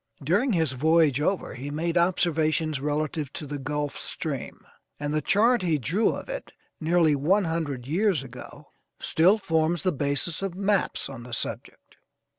During his voyage over he made observations relative to the Gulf Stream, and the chart he drew of it nearly one hundred years ago, still forms the basis of maps on the subject.